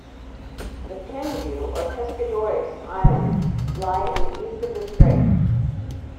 The Penghu or Pescadores Islands lie in the east of the strait.